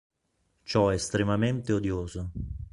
Ciò è estremamente odioso.